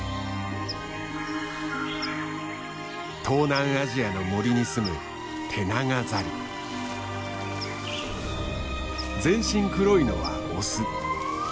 東南アジアの森にすむ全身黒いのはオス。